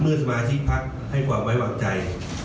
เมื่อสมาชิกพักษมณ์ให้ความไว้หวังใจ